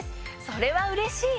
それはうれしい！